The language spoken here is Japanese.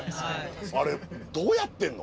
あれどうやってんの？